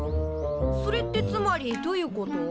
それってつまりどういうこと？